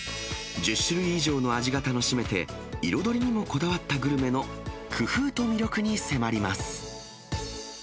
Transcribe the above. １０種類以上の味が楽しめて、彩りにもこだわったグルメの工夫と魅力に迫ります。